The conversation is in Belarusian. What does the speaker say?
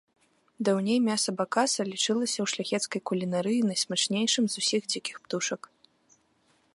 Даўней мяса бакаса лічылася ў шляхецкай кулінарыі найсмачнейшым з усіх дзікіх птушак.